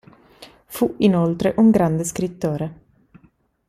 Fu inoltre un grande scrittore.